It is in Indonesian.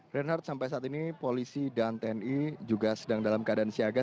reinhardt sampai saat ini polisi dan tni juga sedang dalam keadaan siaga